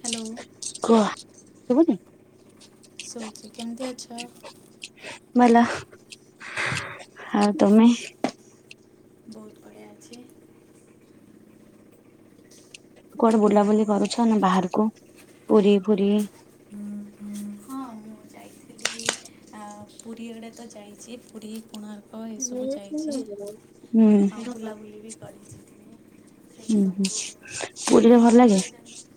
Hello. କୁହ ଶୁବୁନି? ଶୁବୁଛି କେମିତି ଅଛ? ମଲ ଆଉ ତମେ? ବହୁତ ବଢ଼ିଆ ଅଛି। କୁଆଡେ ବୁଲାବୁଲି କରୁଛ ନା ବାହାରକୁ ପୁରୀ ଫୁରି। ହଁ ମୁଁ ଯାଇଥିଲି ଆ ପୁରୀ ଆଡ଼େ ତ ଯାଇଛି ପୁରୀ କୋଣ ହଁ ଏସବୁ ଯାଇଛି ହୁଁ ଆଉ ବୁଲାବୁଲି ବି କରିଚି। ହୁଁ ହୁଁ ମାନେ ପୁରୀରେ ଭଲ ଲାଗେ? ପୁରୀର ଯେମିତି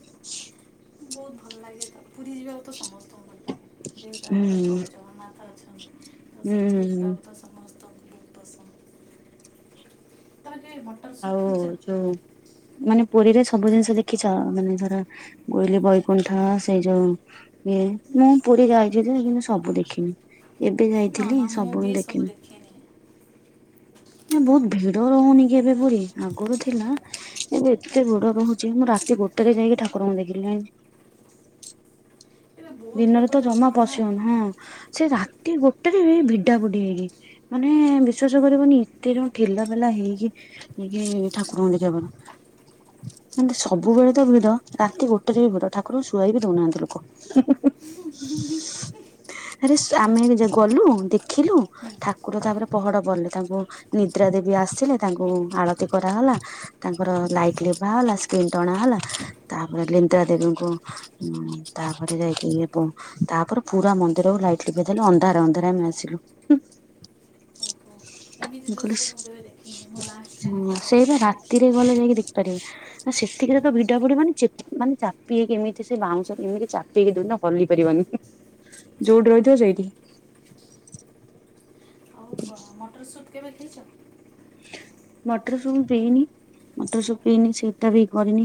ବହୁତ ଭଲ ଲାଗେ ତ ପୁରୀ ଯିବାକୁ ତ ସମସ୍ତଙ୍କୁ ଯେହେତୁ ହୁଁ ଆମର ପ୍ରଭୁ ଜଗନ୍ନାଥ ଅଛନ୍ତି ତ ହୁଁ ସେଠି ହୁଁ ଯିବାକୁ ତ ସମସ୍ତେ ତମେ କେବେ ମଟର ଆଉ ସୂପ ପିଇଛ? ଯୋଉ ମାନେ ପୁରୀରେ ସବୁ ଜିନିଷ ଦେଖିଛ ମାନେ ଧର ବୋଇଲି ବୈକୁଣ୍ଠ ସେଇ ଯୋଉ ଏ ମୁଁ ପୁରୀ ଯାଇଛି ସେ କିନ୍ତୁ ସବୁ ଦେଖିନି। ଏବେ ନା ଯାଇଥିଲି ନା ମୁଁ ସବୁ ହ ବି ଦେଖେନି ଦେଖିନି ବହୁତ ଭିଡ ହଉନି କି ଏବେ ପୁରୀ ଆଗରୁ ଥିଲା ଏବେ ଏତେ ଭିଡ ରହୁଛି ମୁଁ ରାତି ଗୋଟେ ରେ ଯାଇକି ଠାକୁରଙ୍କୁ ଦେଖିଲି। ଏବେ ବହୁତ ଦିନରେ ଲୋକ ତ ଜମା ଯାଉଛନ୍ତି ନା ପଶିହଉନି ହଁ ସେ ରାତି ଗୋଟେରେ ଭିଡା ଭିଡ଼ି ହେଇ କି ମାନେ ବିଶ୍ୱାସ କରିବନି ଏତେ ଯୁ ଠେଲା ପେଲା ହେଇକି କି ଠାକୁରଙ୍କୁ ଦେଖାବା ପାଇଁ। ସବୁବେଳେ ତ ଭିଡ ରାତି ଗୋଟେରେ ବି ଭିଡ ଠାକୁରଙ୍କୁ ଶୁଆଇ ବି ଦଉନାହାନ୍ତି ଲୋକ। ଆରେ ଶୁ ଆମେ ଗଲୁ ଦେଖିଲୁ ହୁଁ ଠାକୁର ହୁଁ ତାପରେ ପହଡ ପଡିଲେ ତାଙ୍କୁ ନିଦ୍ରା ଦେବୀ ଆସିଲେ ତାଙ୍କୁ ଆଳତି କରାଗଲା। ତାଙ୍କର ଲାଇଟ ଲିଭା ହେଲା ସ୍କ୍ରିନ୍ ଟଣା ହେଲା ତାପରେ ଲିନ୍ଦ୍ରା ଦେବୀଙ୍କୁ ହୁଁ ତାପରେ ଯାଇ ଇଏବ ତାପରେ ପୁରା ମନ୍ଦିରକୁ ଲାଇଟ୍ ଲିଭେଇ ଦେଲେ ଅନ୍ଧାରେ ଅନ୍ଧାରେ ଆମେ ଆସିଲୁ। ଏମିତି ମୁଁ କହିଲି ଦୁଶ କରିବ ଦେଖି ମୁଁ ଲାଷ୍ଟ ସାଙ୍ଗେ କେବେ [unintelligible] ସେଇବା ରାତିରେ ଗଲେ ଯାଇକି ଦେଖିପାରିବ। ଆ ସେତିକିରେ ତ ଭିଡ଼ା ଭିଡ଼ି ମାନେ ମାନେ ଚାପିହେଇକି ଏମିତି ସେ ବାଉଁଶ ଏମିତି ଚାପିହେଇ ଦୁନ ହଲି ପାରିବନି ଯୋଉଠି ରହିଥିବ ସେଇଠି ଓଉହ [unintelligible] ମଟର ସୁପ୍ କେବେ ଖାଇଛ? ମଟରସୁପ୍ ମୁ ପିଇନି। ମଟର ସୁପ୍ ପିଇନି ସେଇଟା ବି କରିନି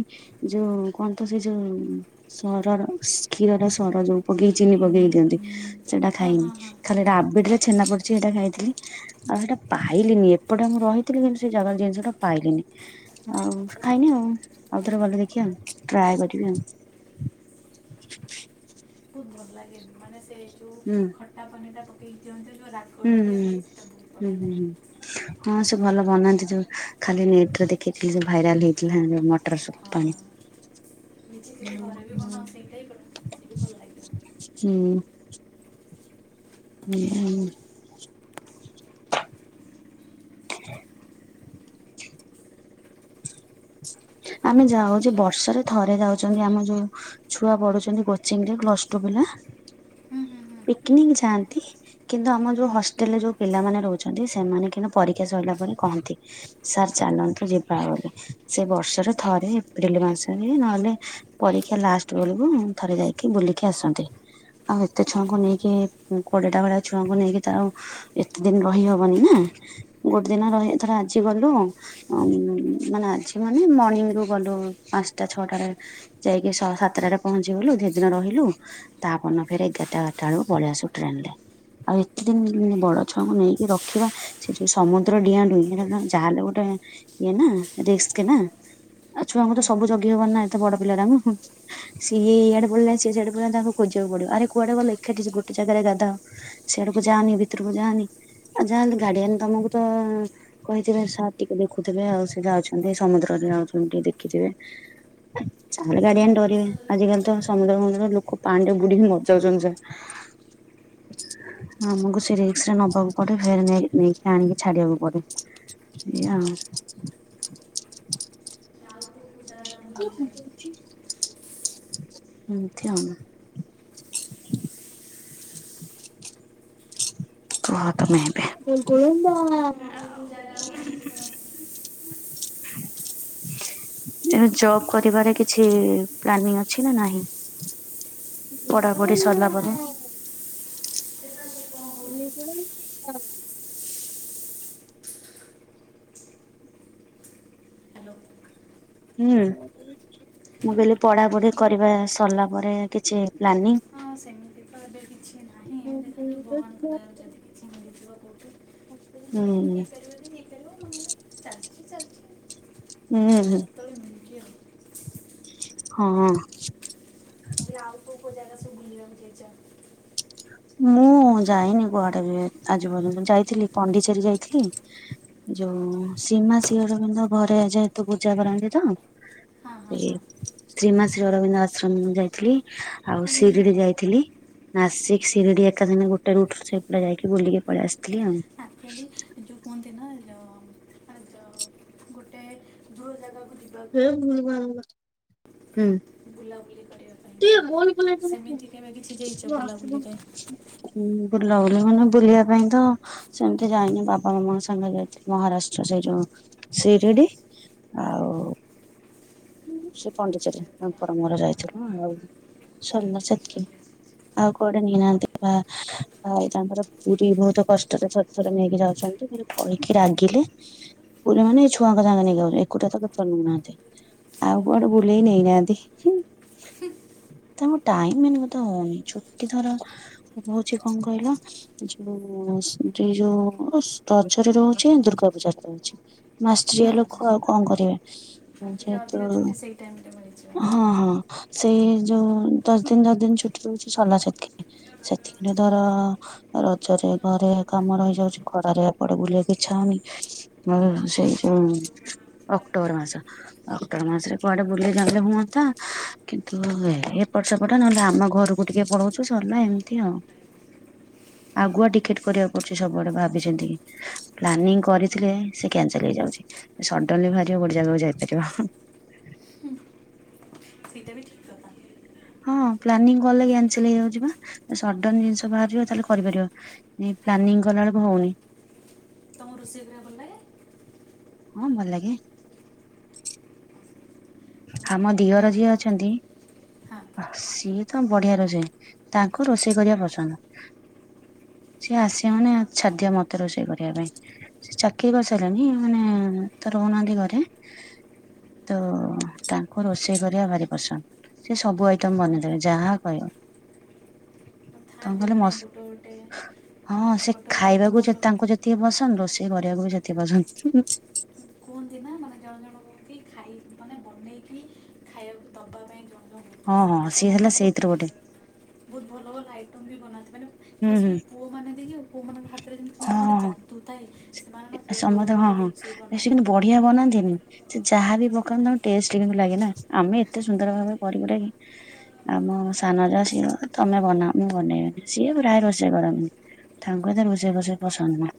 ଯୋଉ କଣ ତ ସେଇ ଯୋଉ ସରର କ୍ଷୀରର ସର ଯୋଉ ପକେଇକି ଚିନି ପକେଇ ଦିଅନ୍ତି ସେଇଟା ହଁ ହଁ ଖାଇନି ହଁ ଖାଲି ରାବିଡି ଛେନା ପଡିୁଛି ସେଇଟା ଖାଇଥିଲି ଆଉ ସେଇଟା ପାଇଲିନି। ଏପଟେ ମୁଁ ରହିଥିଲି କିନ୍ତୁ ସେ ଜାଗା ଜିନିଷଟା ପାଇଲିନି। ଆଉ ଖାଇନି ଆଉ ଆଉଥରେ ଗଲେ ଦେଖିଆନି ଟ୍ରାଏ କରିବି ଆଉ। ବହୁତ୍ ଭଲ ଲାଗେ। ମାନେ ସେ ଯୋଉ ହୁଁ ଖଟା ପନିର୍ ଟା ପକେଇ ଦିଅନ୍ତି ଯୋଉ ରାଗ୍ ହୁଁ ହୁଁ ହୁଁ ହୁଁ ହୁଁ। ହଁ ସେ ଭଲ ବନାନ୍ତି। ଯୋଉ ଖାଲି ନେଟ୍ ରେ ଦେଖେଇଥିଲି ଭାଇରାଲ ହେଇଥିଲା ମୋ ମଟର ହଁ ସୁପ୍ ପାଣି। ନିଜେ କେବେ ଘରେ ବି ବନାଅ ସେଇଟା ହି [unintelligible] ଭଲ ଲାଗେ। ହୁଁ। ଉୁଁ ହୁଁ। ଆମେ ଯାଉଚେ ବର୍ଷରେ ଥରେ ଯାଉଛନ୍ତି ଆମ ଯୋଉ ଛୁଆ ପଢୁଛନ୍ତି କୋଚିଂ ରେ ପ୍ଲସ୍ ଟୁ ପିଲା। ହୁଁ ହୁଁ ହୁଁ ପିକନିକ୍ ଯାଆନ୍ତି। କିନ୍ତୁ ଆମ ଯୋଉ ହଷ୍ଟେଲରେ ଯୋଉ ପିଲାମାନେ ରହୁଛନ୍ତି ସେମାନେ କିନ୍ତୁ ପରୀକ୍ଷା ସରିଲା ପରେ କହନ୍ତି। ସାର୍ ଚାଲନ୍ତୁ ଯିବା ବଲିକି ସେ ବର୍ଷରେ ଥରେ ଏପ୍ରିଲ ମାସରେ ନହେଲେ ପରୀକ୍ଷା ଲାଷ୍ଟ୍ ବେଳୁକୁ ଥରେ ଯାଇକି ବୁଲିକି ଆସନ୍ତି। ଆଉ ଏତେ ଛୁଆଙ୍କୁ ଓହୋ ନେଇକି କୋଡିଏଟା ଭଳିଆ ଛୁଆଙ୍କୁ ନେଇକି ତ ଆଉ ଏତେ ଦିନ ରହି ହବନି ନା? ଗୋଟ୍ ଦିନ ରହି ଏଥର ଆଜି ଗଲୁ ମାନେ ଆଜି ମ ମାନେ ମର୍ଣ୍ଣିଂ ରୁ ଗଲୁ ପାଞ୍ଚଟା ଛଅଟା ରେ। ଯାଇକି ସା ସାତଟା ଟା ପହଞ୍ଚିଗଲୁ, ସେଇ ଦିନ ରହିଲୁ। ତା ପରଦିନ ଫେରେ ଏଗାରଟା ବାରଟା ବେଳୁକୁ ପଳେଇଆସିବୁ ଟ୍ରେନ ରେ। ଆଉ ଏତେ ଦିନ ବଡ ଛୁଆଙ୍କୁ ନେଇକି ରଖିବା ସେ ଯୋଉ ସମୁଦ୍ର ଡିଆଁ ଡୁଇଁ ଯାହା ହେଲେ ଗୋଟେ ଇଏ ନା ରିସ୍କ। କିନା। ଆଉ ଛୁଆଙ୍କୁ ତ ହଁ ସବୁ ଜଗି ହବନି ନା ଏତେ ବଡ ପିଲା ଟା ମୁଁ। ସିଏ ଏଇଆଡେ ପଳେଇଲାଇଁ ସିଏ ସିଆଡେ ପଳେଇଲାଇଁ ତାଙ୍କୁ ଖୋଜିବାକୁ ପଡିବ। ଆରେ କୁଆଡେ ଗଲେ ଏକାଠି ଗୋଟେ ଜାଗାରେ ଗାଧାଅ ସେଆଡ଼ୁକୁ ଯାଆନି, ଭିତୁରୁକୁ ଯାଆନି। ଆ ଯାଆନ୍ତୁ ଗାଡିଆନ୍ ତମକୁ ତ ଅ ଉଁ କହିଥିବେ ସାର୍ ଟିକେ ଦେଖୁଥିବେ ଆଉ ସେ ଯାଉଛି। ପୁରୀ ସମୁଦ୍ରରେ ଯାଉଛନ୍ତି ଦେଖିଥିବେ ଚାଲ ଗାଡ଼ିଆନ୍ ଡ଼ରିବେ, ଭରସା କରି ଆଜିକାଲି ତ ପଠେଇଥିଲେ ନା ସମୁଦ୍ର ମମୁଦ୍ର ଲୋକ ପାଣିରେ ବୁଡି଼କି ମରିଯାଉଚନ୍ତି ସବୁ। ଆମକୁ ସେ ରିକ୍ସ ରେ ନବାକୁ ପଡ଼େ ଫେରେ ନେଇକି ନେଇଁକି ଆଣିକି ଛାଡିବାକୁ ପଡ଼େ। ମିହାଉଁ। ଆଉ କେଉଁ କେଉଁ ଜାଗା ବୁଲିଯାଏ [unintelligible] ହଁ ତମେ ଏବେ [unintelligible] କୋଉ କୋଉ ଜାଗା? ବୁଲିଛି ତେଣୁ ଜବ୍ କରିବାରେ କିଛି ପ୍ଲାନିଂ ଅଛି ନା ନାହିଁ? ପଢ଼ା ପଢ଼ି ସରିଲା ପରେ। [inaudible] [unintelligible] ହୁଁ ମୁଁ କହିଲି ପଢ଼ାପଢ଼ି କରିବା ସରିଲା ପରେ କିଛି ପ୍ଲାନିଂ? ହଁ ସେମିତି ତ ଏବେ କିଛି ନାହିଁ ଦେଖାଯାଉ ଭଗବାନଙ୍କ ଦୟାରୁ ଯଦି ମିଳିଯିବ କୋଉଠି ତେବେ ହୁଁ ହେଇପାରିବ ଯଦି ହେଇପାରିବ ନହେଲେ ଚାଲିଚି ଚାଲିଚି। ଉଁ-ହୁଁ ଆଉ ହଁ ଇଏ ଆଉ କୋଉ କୋଉ ଜାଗା ସବୁ ବୁଲିବାକୁ ଯାଇଚ? ମୁଁ ଯାଇନି କୁଆଡ଼େ ବି ଆଜି ପର୍ଯ୍ୟନ୍ତ ଯାଇଥିଲି ପଣ୍ଡିଚେରୀ ଯାଇଥିଲି। ଯୋଉ ଶ୍ରୀମା ଶ୍ରୀ ଅରବିନ୍ଦ ଘରେ ଯେହେତୁ ପୂଜା କରନ୍ତି ତ ହଁ ହଁ ଏହେ ହଁ ଶ୍ରୀମା ଶ୍ରୀ ଅରବିନ୍ଦ ଆଶ୍ରମ ଯାଇଥିଲି, ଆଉ ଶିରିଡ଼ି ଯାଇଥିଲି, ନାସିକ୍ ଶିରିଡ଼ି ଏକା ସାଙ୍ଗେ ଗୋଟେ ରୁଡ୍ ସେଗୁଡା ଯାଇକି ବୁଲିକି ପଳେଇଆସିଥିଲି ଆଉ। ଆକ୍ଚୋଲି ଏ ଯୋଉ କୁହନ୍ତି ନା ଏ ଯୋଉ ଗୁଟେ ଦୂର ଜାଗାକୁ ଯିବା ହେ ଭୁଲ୍ ଭାଲ୍ କଥା। ହୁଁ, ବୁଲାବୁଲି କରିବା ପାଇଁ। କି ସେମିତି କେବେ କିଛି ଯାଇଛ ବୁଲାବୁଲିରେ [unintelligible] ହୁଁ, ବୁଲା ବୁଲି ମାନେ ବୁଲିବା ପାଇଁ ତ ସେମିତି ଯାଇନି ବାପା ମାମାଙ୍କ ସାଙ୍ଗରେ ଯାଇଥିଲି ମହାରାଷ୍ଟ୍ର ସେଇ ଯୋଉ ସିରିଡ଼ି। ଆଉ ସେ ପଣ୍ଡିଚେରୀ ତାଙ୍କର ମୋର ଯାଇଥିଲୁ ଆଉ ସରିଲା ସେତିକି। ଆଉ କୁଆଡେ ନେଇନାହାନ୍ତି, ଭା-ଭାଇ ତାଙ୍କର ପୁରୀ ବହୁତ କଷ୍ଟରେ ଥର ଥରେ ନେଇକି ଯାଉଛନ୍ତି ଫେର୍ କହିିକି ରାଗିଲେ ପୁରୀ ମାନେ ଏଇ ଛୁଆଙ୍କ ସାଙ୍ଗରେ ନେଇକି ଯାଉଚୁ, ଏକୁଟିଆ ତ କେତଳେ ନଉ ନାହାନ୍ତି। ଆଉ ଓହୋ କୁଆଡ଼େ ହୁଁ ବୁଲେଇ ନେଇନାହାନ୍ତି କି ତାଙ୍କୁ ଟାଇମ୍ ମେନ୍ କଥା ହଉନି, ଛୁଟି ଧର ହଉଛି କଣ କହିଲ? ଯୋଉ ସେଠି ଯୋଉ ଅସ୍ ରଜର ରେ ରହୁଛି, ଆ, ଦୁର୍ଗା ପୂଜାରେ ରହୁଛି। ମାଷ୍ଟରିଆ ଲୋକ ଆଉ କଣ କରିବେ, ଅ, ଯେ ଟିକେ ତ ଅଧିକ ହଁ, ଛୁଟି ସେଇ ଟାଇମରେ ମିଳିଯିବ ହଁ ସେଇ ଯୋଉ ଦଶ ଦିନ ଦଶ ଦିନ ଛୁଟି ଦଉଛି ସଲା ସେତିକି ଦିନ, ସେତିକି ରେ ଧର ରଜରେ ଘରେ କାମ ରହିଯାଉଛି ଖରାରେ ଏପଟେ ବୁଲିବାକୁ ଇଚ୍ଛା ହଉନି। ମିଳେ ସେଇ ଯୋଉ ଅକ୍ଟୋବର ମାସ ଅକ୍ଟୋବର ମାସରେ କୁଆଡ଼େ ବୁଲିଗଲେ ହୁଅନ୍ତା, କିନ୍ତୁ ଏ ଏପଟ ସେପଟ ନହେଲେ ଆମ ଘରୁ କୁ ଟିକେ ପଳଉଛୁ ସରିଲା ଏମିତି ଆଉ। ଆଗୁଆ ଟିକେଟ୍ କରିବାକୁ ପଡ଼ୁଛି ସବୁଆଡ଼େ ଭାବିଛିନ୍ତି କି। ପ୍ଲାନିଂ କରିଥିଲେ ସେ କ୍ୟାନସଲ୍ ହେଇଯାଉଛି, ଏ ସଡ୍ନଲି ବାହାରିବ ଗୋଟେ ଜାଗାକୁ ଯାଇପାରିବ ହୁଁ,। ସେଇଟା ବି ଠିକ୍ କଥା। ହଁ ପ୍ଲାନିଂ କଲେ କ୍ୟାନସଲ୍ ହେଇଯାଉଛି ପା, ଏ ସଡନ୍ ଜିନିଷ ବାହାରିବ ତାହେଲେ କରିପାରିବ। ଏ ପ୍ଲାନିଂ କଲା ବେଳକୁ ହଉନି। ତୋମକୁ ରୋଷେଇ କରିବାକୁ ଭଲ ଲାଗେ? ହଁ ଭଲ ଲାଗେ। ତମେ ଆମ ନୂଆ ଦିଅର ଯିଏ ନୂଆ ଅଛନ୍ତି ହଁ ଓଃ, ସିଏ ତ ବଢିଆ ରୋଷେଇ, ତାଙ୍କୁ ରୋଷେଇ କରିଆ ପସନ୍ଦ। ସିଏ ଆସିବେ ମାନେ ନ ଛାଡଦିଅ ମୋତେ ରୋଷେଇ କରିବା ପାଇଁ। ସିଏ ଚାକିରି କରିସାଇଲାଣି ମାନେ ତ ରହୁନାହାନ୍ତି ଘରେ, ତ ତାଙ୍କୁ ରୋଷେଇ କରିବା ଭାରି ପସନ୍ଦ, ସେ ସବୁ ଆଇଟମ ଥାନ୍ତି ବନେଇଦେବେ ଯାହା କହିବ। ତୋମେ ଥାନ୍ତି ଖାଲି ମାନେ ମସ, ଗୋଟେ ଗୋଟେ ହଁ ସେ ଗୋଟେ ଗୋଟେ ପୁଅ ଖାଇବାକୁ ଯେ ଲୋକ ତାଙ୍କୁ ଯେ ତିକି ପସନ୍ଦ ରୋଷେଇ କରିଆକୁ ବି ସେତିକି ପସନ୍ଦ। କୁହନ୍ତି ନା ମାନେ ଜଣ ଜଣଙ୍କୁ କି ଖାଇ ମାନେ ବନେଇକି ଖାଇବାକୁ ଦବା ପାଇଁ ଯୋଉ ହଁ, ହଁ, ହଁ ସିଏ ହେଲା ସେଇଥିରୁ ଗୋଟେ। ବହୁତ ଭଲ ଭଲ ଆଇଟମ ବି ବନାନ୍ତି, ମାନେ ହୁଁ ଖାସ୍ ହୁଁ କରି ପୁଅ ମାନେ ଦେଖିବୁ ପୁଅ ମାନଙ୍କ ହାତରେ ଯେମିତି କୁହନ୍ତିନି ଗୋଟେ ହଁ ଯା ଦୁ ଥାଏ, ସେମାନେ ନା ବହୁତ ଭଲ ସମସ୍ତେ ହଁ ଭଲ ହଁ ଜିନିଷ ବି ଏ ସେ କିନ୍ତୁ ବନାନ୍ତି। ବଢିଆ ବନାନ୍ତିନି? ସେ ଯାହା ବିି ପକାନ୍ତୁ ତାଙ୍କ ଟେଷ୍ଟ ଲାଗେ ନା ଆମେ ଏତେ ସୁନ୍ଦର ଭାବରେ କରି କୁରାକି ଆମ ସାନ ଯା ସିଅ ତମେ ବନାଅ ମୁଁ ବନେଇବନି ସିଏ ପ୍ରାୟ ରୋଷେଇ କରନ୍ତିନୀ। ତାଙ୍କୁ ଏତେ ରୋଷେଇ ଫୋଷେଇ ପସନ୍ଦ ନୁହଁ।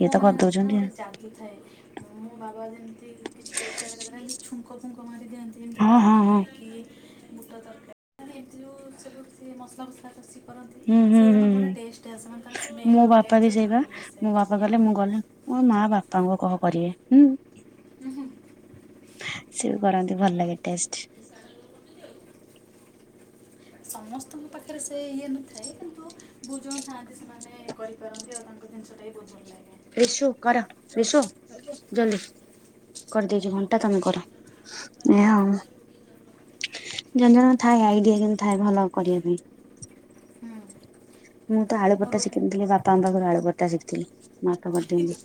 ଇଏ ତ ମାନଙ୍କ ହାତରେ ନା କରିଦଉଛନ୍ତି ଗୋଟେ ଆଉ। ଜାଦୁ ଥାଏ। ମୋ ବାବା ଯେମିତି କି କେତେବେଳେ [unintelligible] ଛୁଙ୍କ ଫୁଙ୍କ ମାରି ଦିଅନ୍ତି। ସେମତି ହଁ ହଁ ଡାଲମା ହଁ ହେଲା କି ବୁଟ ତରକାରୀ ଏମତି ଯୋଉ ସବୁ ସେ ମସଲା ଫସ ସି କରନ୍ତି ହୁଁ ହୁଁ ଶେଇଗୁରା ହୁଁ ନା ହୁଁ ବଢିଆ ଟେଷ୍ଟ ଆସେ ମାନେ ତାର ମୋ ସ୍ମେଲ୍ ଆଉ ବାପା ବି ଟେଷ୍ଟ ସେଇବା ବହୁତ [unintelligible] ମୋ ବାପା କଲେ ମୁଁ ଗଲେ ମୋ ମା ବାପାଙ୍କୁ କହ କରିବେ ହୁଁ। ହୁଁ ହୁଁ। ସିଏ ବି କରନ୍ତି ଭଲ ଲାଗେ ଟେଷ୍ଟ। ଆମ ପାଖରେ ସେ ଇଏ ନଥାଏ କିନ୍ତୁ। ବହୁତ ଜଣ ଥାଆନ୍ତି ସେମାନେ କରିପାରନ୍ତି ଆଉ ତାଙ୍କ ଜିନିଷ ଟା ବି ବହୁତ ଭଲ ଲାଗେ [inaudible] କରି ଦେଇଚି ଘଣ୍ଟା ତମେ କର ମୋର [unintelligible] ଜଣ ଜଣଙ୍କ ଥାଏ ଆଇଡିଆ କେମିତି ଥାଏ ଭଲ କରିବା ପାଇଁ। ମୁଁ ତ ଆଳୁପରଟା ଗୋଟେ ଶିଖିନଥିଲି ବା ବାପାଙ୍କ ପାଖରୁ ଆଳୁ ପରଟା ଶିଖିଥିଲି ମୋ ବାପା କରିଦିଅନ୍ତି।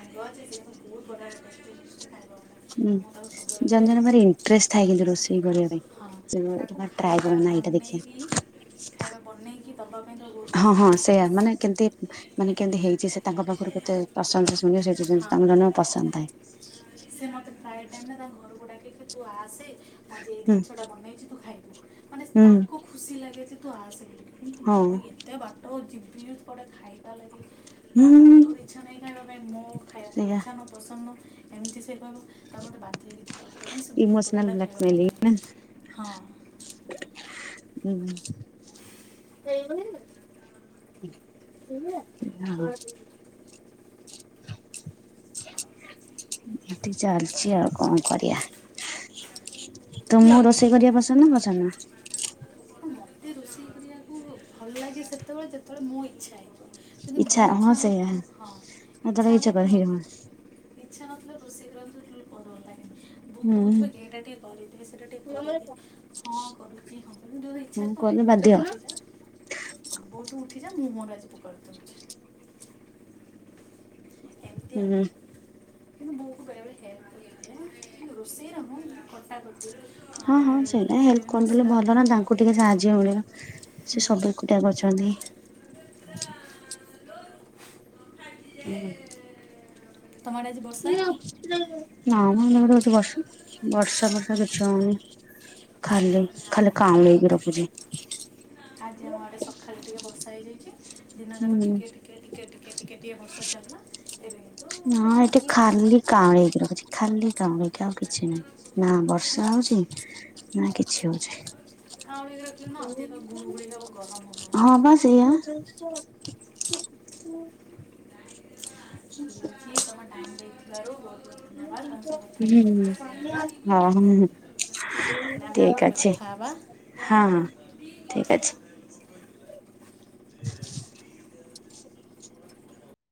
[inaudible] ବନାଏ ହୁଁ ମୁଁ ତାକୁ ସବୁବେଳେ ଜଣ ଜଣ କହିବି ଭାରି ଇଣ୍ଟରେଷ୍ଟ ଥାଏ କିନ୍ତୁ ରୋଷେଇ କରିବା ହଁ ପାଇଁ ତାକୁ [unintelligible] ଟ୍ରାଏ ଖାଇବା କର ନା ଏଇଟା ଦେଖିଆ। ବନେଇକି ଖାଇବା ବନେଇକି ଦେବା ପାଇଁ ତ ବହୁତ ହଁ ହଁ ପସନ୍ଦ ସେଇୟା ମାନେ କେମତି ମାନେ କେମତି ହେଇଛି ସେ ତାଙ୍କ ପାଖରୁ କେତେ ପସନ୍ଦ ଶୁଣିବେ ସେ ଯେ ଯେ ହଁ ତାଙ୍କ ଜଣ ଜଣ ପସନ୍ଦ ଥାଏ। ସେ ମତେ ପ୍ରାୟେ ଟାଇମ ନା ତାଙ୍କ ଘରକୁ ଡାକେକି ତୁ ଆସେ। ମୁଁ ଆଜି ଏଇ ହୁଁ ଜିନିଷ ଟା ବନେଇଛି ତୁ ଖାଇବୁ ମାନେ ହୁଁ ତାକୁ ଖୁସି ଲାଗେ ଯେ ତୁ ଆସେ। କିନ୍ତୁ ହଉ ମୁଁ ଏତେ ବାଟ ଯିବି କୁଆଡେ ଖାଇବା ଲାଗି। ନା ହୁଁ ତାଙ୍କର ଇଚ୍ଛା ନାଇଁ ଖାଇବା ପାଇଁ ମୋ ଖାଇବା ତୋ ସେଇଆ ଇଚ୍ଛା ନୁଅ ପସନ୍ଦ ନୁଅ ଏମିତି ସେ ତାପରେ ମତେ ବାଧ୍ୟ ହେଇକି ଯିବାକୁ ପଡ଼ିବ କାରଣ ସେ ବହୁତ ବଢିଆ ଇମୋସନାଲ ବଢିଆ ଖାଇବା ବ୍ଲାକମେଲିଂ। ବନାନ୍ତି ହଁ। ହୁଁ ହେଇ ଗଲା। ହେଇଗଲା। [inaudible] ଏଠି ଚାଲିଚି ଆଉ କଣ କରିଆ। ତମକୁ ରୋଷେଇ କରିବା ପସନ୍ଦ ନା ପସନ୍ଦ ନୁହଁ? ମୋତେ ରୋଷେଇ କରିବାକୁ ଭଲ ଲାଗେ ସେତେବେଳେ ଯେତେବେଳେ ମୋ ଇଚ୍ଛା ହେଇଥିବ। ଯଦି ମୋ ହଁ ଇଚ୍ଛା ନ ସେଇଆ ଥିବ ହଁ କେତେବେଳେ ଇଚ୍ଛା ନ ଥିବ ମତେ କରେ ଇଚ୍ଛା ନଥିଲା ରୋଷେଇ କରିବାକୁ ଟୋଟାଲ [unintelligible] ଲାଗେ ନି। ବୋଉ ହୁଁ କହୁଥିବ କି ଏଇଟା ଟିକିଏ କରିଦେ ସେଟା ଟିକିଏ କରିଦେ। ହଁ କରୁଛି ହଁ ମାନେ ଯୋଉ ଦିନ ଇଚ୍ଛା ହୁଁ ଥିବ କଲେ ବୋଉ ବାଧ୍ୟ ତୁ ଉଠି ଯା ବୋଉ ତୁ ଉଠିଜା ମୁଁ ମୋର ଆଜି ପୋଟଳ ତରକାରୀ। ଏମିତି ଆଉ ହୁଁ। କିନ୍ତୁ ବୋଉକୁ ବେଳେ ବେଳେ [unintelligible] କିନ୍ତୁ ରୋଷେଇର [inaudible] କଟା କଟି। ହଁ ହଁ ସେଇପାଇଁ ହେଲ୍ପ କରିଦେଲେ ଭଲ ନା ତାଙ୍କୁ ଟିକେ ସାହା ଯ୍ୟ ମିଳିବ ହୁଁ ସେ ସବୁ ଏକୁଟିଆ କରୁଛନ୍ତି। ହୁଁ। ତମ ଆଡେ ଆଜି ବର୍ଷା ହେଇନି? ନା ମ ଆମର ଏଠି ବର୍ଷା-ବର୍ଷା ଫର୍ଷା କିଛି ହେଇନି। ଖାଲି-ଖାଲି କାଁଉଳେଇକି ରଖୁଛି। ଆଜି ଆମ ଆଡ଼େ ସକାଳେ ଟିକେ ବର୍ଷା ହେଇଯାଇଛି ଦିନ ଯାକ ହୁଁ ଟିକେ-ଟିକେ-ଟିକେ-ଟିକେ-ଟିକେ-ଟିକେ ବର୍ଷା ଚାଲିଲା ଏବେ କିନ୍ତୁ ନାଁ ଏଠି ନାହିଁ ଆଉ ଖାଲି କାଉଁଳେଇକି ରଖିଛି ଖାଲି କାଉଁଳେଇକି ଆଉ କିଛି ନାହିଁ ନା ବର୍ଷା ହଉଛି ନା କିଛି ହଉଛି। କାଁଉଳିଆ ରଖିଲେ ହଁ ଅଧିକ ଗୁଳୁଗୁଳି ହବ ଗରମ ହବ। ହଁ ବା ସେଇଆ। ରହୁଛି ତମେ ଟାଇମ୍ ଦେଇଥିବାରୁ ବହୁତ-ବହୁତ ଧନ୍ୟବାଦ ତମ ସହ କଥା ହେଇକି ବହୁତ ହୁଁ। ଖୁସୀ ହଁ ଲାଗିଲା। ନା ଆମେ ଆଉ ଠିକ କେବେ ଅଛି କଥା ହେବା? ହଁ ଠିକ ଅଛି। [inaudible]